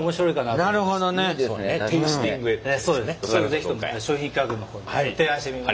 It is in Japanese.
是非とも商品企画の方に提案してみます。